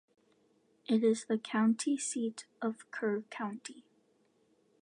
It is the county seat of Kerr County.